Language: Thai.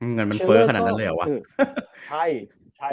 เงินมันเฟ้อขนาดนั้นเลยเหรอวะ